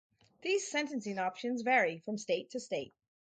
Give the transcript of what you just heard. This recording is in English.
These sentencing options vary from state to state.